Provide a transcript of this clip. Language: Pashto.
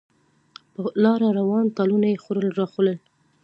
په لاره روان، ټالونه یې خوړل راخوړل.